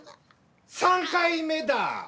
３回目だ！